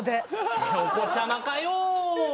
お子ちゃまかよ。